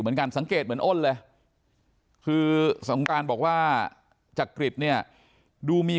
เหมือนกันสังเกตเหมือนอ้นเลยคือสงการบอกว่าจักริตเนี่ยดูมี